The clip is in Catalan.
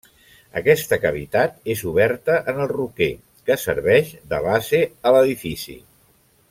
Aquesta cavitat és oberta en el roquer que serveix de base a l'edifici.